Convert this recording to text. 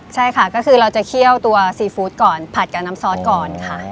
ใช่ค่ะก็คือเราจะเคี่ยวตัวซีฟู้ดก่อนผัดกับน้ำซอสก่อนค่ะ